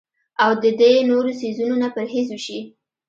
او د دې نورو څيزونو نه پرهېز اوشي